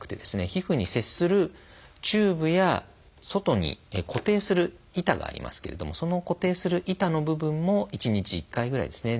皮膚に接するチューブや外に固定する板がありますけれどもその固定する板の部分も１日１回ぐらいですね